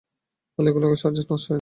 ফলে এগুলো সহজেই নষ্ট হয়ে যায়।